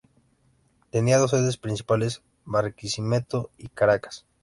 Tenía dos sedes principales Barquisimeto y Caracas.